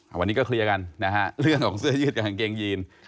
วันนี้ก็เคลียร์กันนะฮะเรื่องของเสื้อยืดกับกางเกงยีน